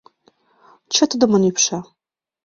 Чытыдымын ӱпша.